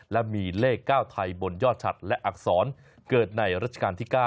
และมีเลข๙ไทยบนยอดฉัดและอักษรเกิดในรัชกาลที่๙